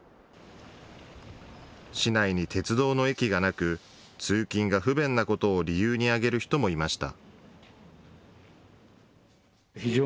市内に鉄道の駅がなく、通勤が不便なことを理由に挙げる人もいました。